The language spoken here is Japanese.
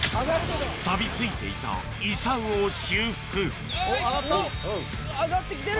さびついていた遺産を修復上がってきてる！